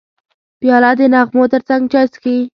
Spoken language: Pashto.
پیاله د نغمو ترڅنګ چای څښي.